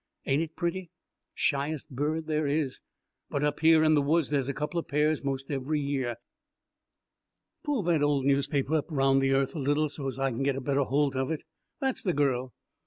Ain't it pretty? Shyest bird there is, but up here in the woods there's a couple pairs 'most every year. Pull that old newspaper up round the earth a little, so's I can get a better holt of it. That's the girl.